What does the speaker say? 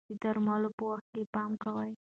د درملو په وخت پام کوئ.